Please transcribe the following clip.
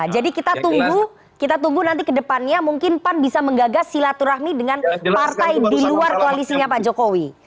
jadi kita tunggu nanti ke depannya mungkin pan bisa menggagas silaturahmi dengan partai di luar koalisinya pak jokowi